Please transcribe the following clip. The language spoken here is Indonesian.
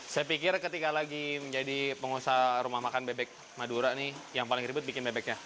saya pikir ketika lagi menjadi pengusaha rumah makan bebek madura nih yang paling ribet bikin bebeknya